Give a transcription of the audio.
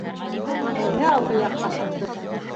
- Мәҙинә алғы яҡҡа сыҡты.